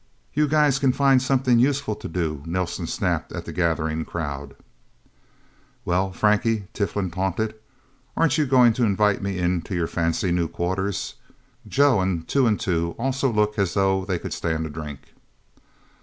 "You guys can find something useful to do," Nelsen snapped at the gathering crowd. "Well, Frankie," Tiflin taunted. "Aren't you going to invite me into your fancy new quarters? Joe and Two and Two also look as though they could stand a drink."